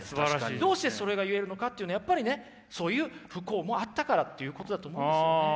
どうしてそれが言えるのかっていうのはやっぱりねそういう不幸もあったからっていうことだと思うんですよね。